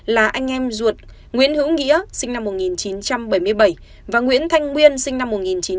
là anh em ruột nguyễn hữu nghĩa sinh năm một nghìn chín trăm bảy mươi bảy và nguyễn thanh nguyên sinh năm một nghìn chín trăm tám mươi